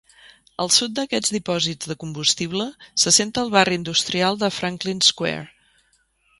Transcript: Al sud d'aquests dipòsits de combustible s'assenta el barri industrial de Franklin Square.